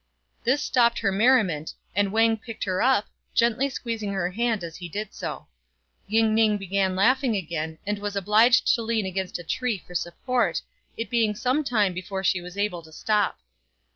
This stopped her merriment, and Wang picked her up, gently squeezing her hand as he did so. Ying ning began laughing again, and was obliged to lean against a tree for support, it being some time before she was able to stop.